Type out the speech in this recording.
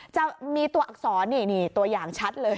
จะมีตัวอักษรนี่ตัวอย่างชัดเลย